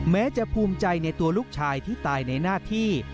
แม้จะภูมิใจในตัวลูกชายที่ตายในหน้าที่